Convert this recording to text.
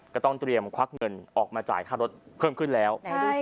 ก็ต้องเตรียมควักเงินออกมาจ่ายค่ารถเพิ่มขึ้นแล้ว